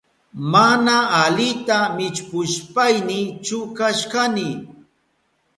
Mana alita millpushpayni chukashkani.